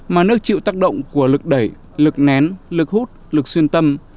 mà nước chịu tác động của lực đẩy lực nén lực hút lực xuyên tâm